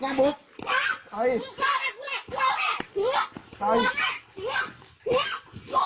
นะครับครับหลังจากเรือง้ำ